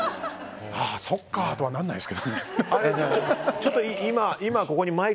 そっか、とはならないですけどね。